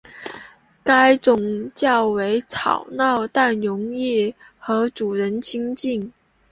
该种较为吵闹但很容易和主人亲近。